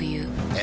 え⁉